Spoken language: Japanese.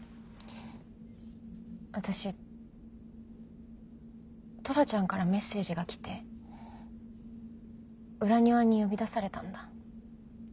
私トラちゃんからメッセージが来て裏庭に呼び出されたんだ。